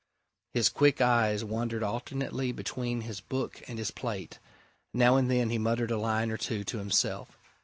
His quick eyes wandered alternately between his book and his plate; now and then he muttered a line or two to himself.